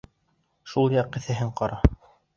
Шул яҡ кеҫәһен ҡара!